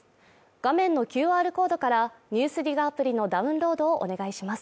画面のＱＲコードから「ＮＥＷＳＤＩＧ」アプリのダウンロードをお願いします。